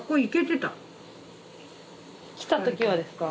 来た時はですか？